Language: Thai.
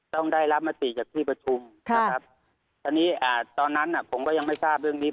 ต้องได้รับมติจากที่ประชุมนะครับตอนนี้อ่าตอนนั้นผมก็ยังไม่ทราบเรื่องนี้